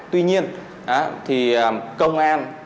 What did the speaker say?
tuy nhiên thì công an